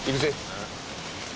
ああ。